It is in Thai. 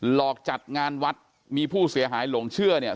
หลอกจัดงานวัดมีผู้เสียหายหลงเชื่อเนี่ย